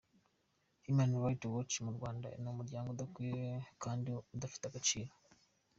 Human Rights Watch mu Rwanda ni umuryango udakwiye kandi udafite agaciro.